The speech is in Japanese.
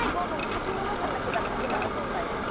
先の部分だけがなくなる状態です。